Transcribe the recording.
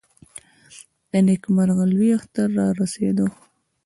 د نېکمرغه لوی اختر د رارسېدو .